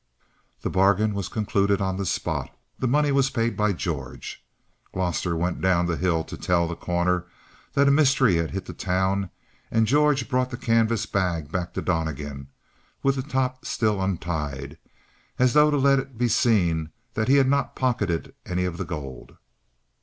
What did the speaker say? The bargain was concluded on the spot; the money was paid by George. Gloster went down the hill to tell The Corner that a mystery had hit the town and George brought the canvas bag back to Donnegan with the top still untied as though to let it be seen that he had not pocketed any of the gold.